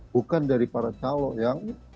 bukan dari para calon yang